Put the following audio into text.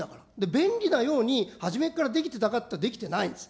便利なように、初めからできたかっていったら、できてないんです。